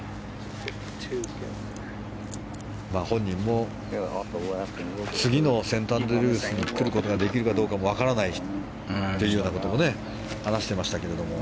本人も次のセントアンドリュースに来ることができるかどうかも分からないというようなことも話していましたけれども。